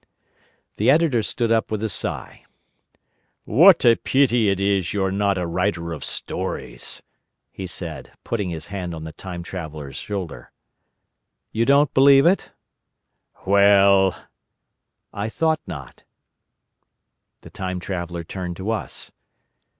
The Editor stood up with a sigh. "What a pity it is you're not a writer of stories!" he said, putting his hand on the Time Traveller's shoulder. "You don't believe it?" "Well——" "I thought not." The Time Traveller turned to us.